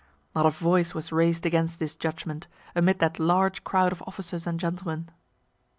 Not a voice was rais'd against this judgment, amid that large crowd of officers and gentlemen.